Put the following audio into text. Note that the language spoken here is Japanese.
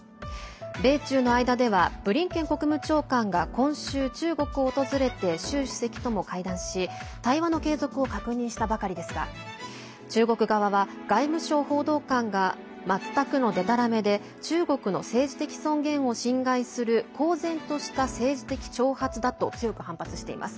米中の間ではブリンケン国務長官が今週、中国を訪れて習主席とも会談し対話の継続を確認したばかりですが中国側は外務省報道官が全くのでたらめで中国の政治的尊厳を侵害する公然とした政治的挑発だと強く反発しています。